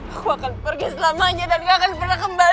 aku akan pergi selamanya dan gak akan pernah kembali